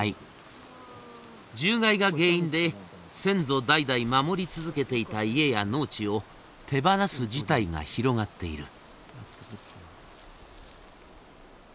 獣害が原因で先祖代々守り続けていた家や農地を手放す事態が広がっている。